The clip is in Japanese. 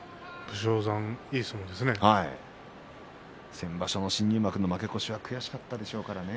先場所の新入幕の負け越しが悔しかったでしょうからね。